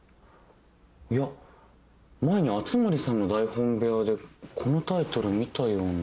いや前に熱護さんの台本部屋でこのタイトル見たような。